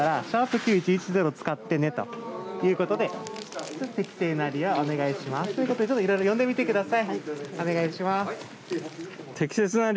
９１１０を使ってねということで適正な利用お願いしますといろいろ読んでみてください。